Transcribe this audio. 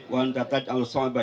wa anta'ataj al sa'ba